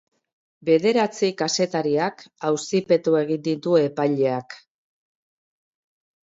Bederatzi kazetariak auzipetu egin ditu epaileak.